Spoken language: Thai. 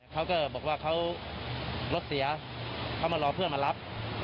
เขาก็บอกว่าเขารถเสียเขามารอเพื่อนมารับ